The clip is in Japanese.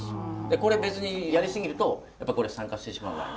これ別にやり過ぎるとやっぱこれ酸化してしまうワイン。